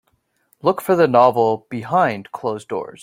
Look for the novel Behind closed doors